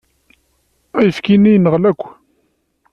Ayefki-nni yenɣel akk.